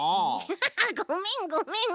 ハハハごめんごめん。